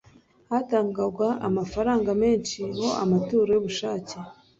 hatangwaga amafaranga menshi ho amaturo y'ubushake,